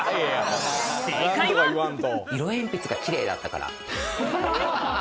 色鉛筆が綺麗だったから。